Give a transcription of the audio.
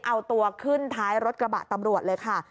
เอาตัวขึ้นท้ายรถกระบะตำรวจเลยค่ะ